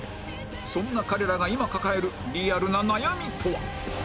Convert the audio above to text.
そんな彼らが今抱えるリアルな悩みとは？